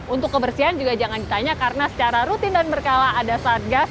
untuk kebersihan juga jangan ditanya karena secara rutin dan berkala ada satgas